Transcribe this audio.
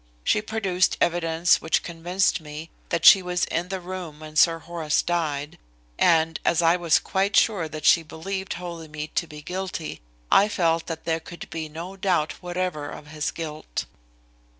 She produced evidence which convinced me that she was in the room when Sir Horace died, and, as I was quite sure that she believed Holymead to be guilty, I felt that there could be no doubt whatever of his guilt."